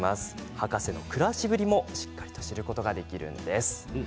博士の暮らしぶりも、しっかりと知ることができるんです。